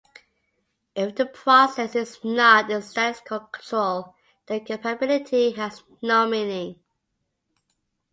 If the process is not in statistical control then capability has no meaning.